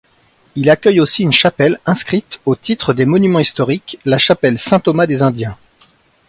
Il accueille aussi une chapelle inscrite au titre des Monuments historiques, la chapelle Saint-Thomas-des-Indiens.